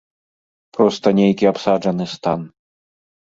Проста нейкі абсаджаны стан.